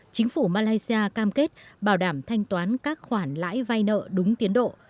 chính phủ malaysia cam kết bảo đảm thanh toán các khoản lãi vay nợ đúng tiến độ